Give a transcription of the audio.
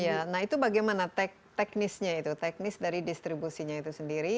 iya nah itu bagaimana teknisnya itu teknis dari distribusinya itu sendiri